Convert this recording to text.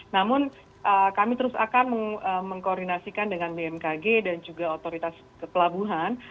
namun kami terus akan mengkoordinasikan dengan bmkg dan juga otoritas pelabuhan